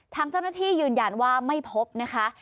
ทางเจ้าหน้าที่ยืนยันว่าไม่พบนะคะ